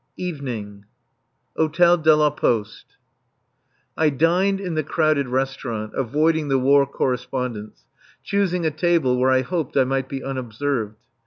[Evening. Hôtel de la Poste.] I dined in the crowded restaurant, avoiding the War Correspondents, choosing a table where I hoped I might be unobserved.